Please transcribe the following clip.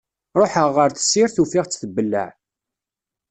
Ruḥeɣ ɣer tessirt ufiɣ-tt tbelleɛ.